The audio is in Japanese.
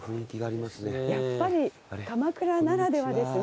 やっぱり鎌倉ならではですね。